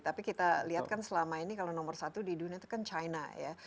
tapi kita lihat kan selama ini kalau nomor satu di dunia itu kan china ya